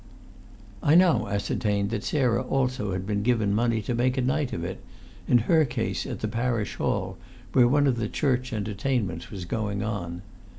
I now ascertained that Sarah also had been given money to make a night of it, in her case at the Parish Hall, where one of the church entertainments was going on.